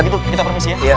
kita permisi ya